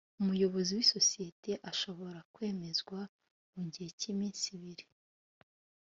umuyobozi w’isosiyete ashobora kwemezwa mu gihe cy’iminsi ibiri